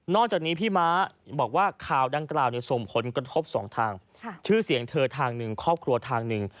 จากนี้พี่ม้าบอกว่าข่าวดังกล่าวส่งผลกระทบสองทางชื่อเสียงเธอทางหนึ่งครอบครัวทางหนึ่ง